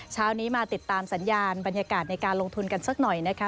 เช้านี้มาติดตามสัญญาณบรรยากาศในการลงทุนกันสักหน่อยนะคะ